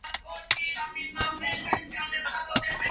Esta nueva sede fue llamada Convento de Santo Tomás de Aquino.